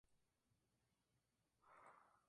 La planta del edificio tiene forma de trapecio.